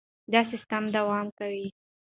دا سیستم دوام کوي.